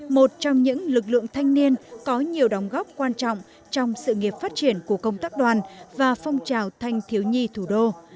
một trong những lực lượng thanh niên có nhiều đóng góp quan trọng trong sự nghiệp phát triển của công tác đoàn và phong trào thanh thiếu nhi thủ đô